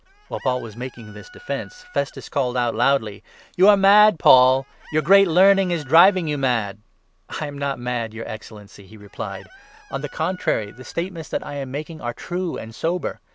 While Paul was making this defence, Festus called out 24 loudly : "You are mad, Paul ; your great learning is driving you mad. " "I am not mad, your Excellency," he replied; "on the 25 contrary, the statements that I am making are true and sober.